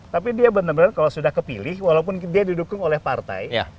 tapi dia benar benar kalau sudah kepilih walaupun dia didukung oleh partai